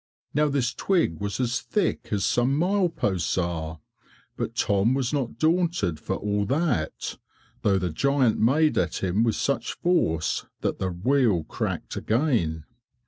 Now this twig was as thick as some mileposts are, but Tom was not daunted for all that, though the giant made at him with such force that the wheel cracked again.